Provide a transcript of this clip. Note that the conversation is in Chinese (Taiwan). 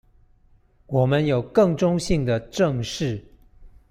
我們有更中性的「正視」